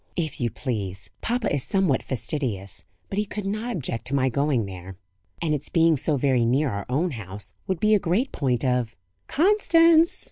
"If you please. Papa is somewhat fastidious; but he could not object to my going there; and its being so very near our own house would be a great point of " "Constance!"